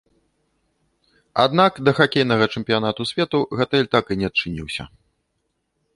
Аднак да хакейнага чэмпіянату свету гатэль так і не адчыніўся.